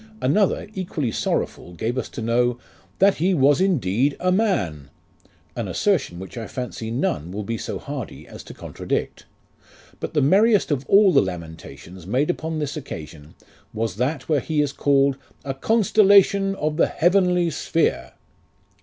Another, equally sorrowful, gave us to know, "that he was indeed a man;" an assertion which I fancy none will be so hardy as to contradict. But the merriest of all the lamentations made upon this occasion was that where he is called "a constellation of the heavenly sphere."